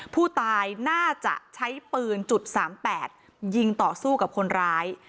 ผู้ตายน่าจะใช้ปืน๓๘ยิงต่อสู้กับคนร้าย